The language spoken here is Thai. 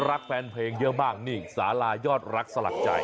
รักแฟนเพลงเยอะมากนี่สารายอดรักสลักใจ